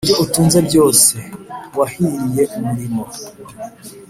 ibyo atunze byose? Wahiriye umurimo